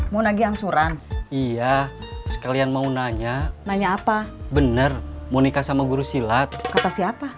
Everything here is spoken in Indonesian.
monagi angsuran iya sekalian mau nanya nanya apa bener monika sama guru silat kata siapa